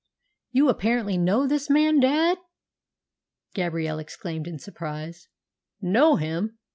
"You apparently know this man, dad?" Gabrielle exclaimed in surprise. "Know him!"